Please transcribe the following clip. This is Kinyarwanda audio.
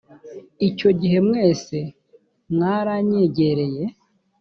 icyo gihe mwese mwaranyegereye